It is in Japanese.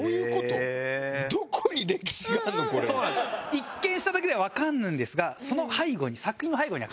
一見しただけではわからないんですがその背後に。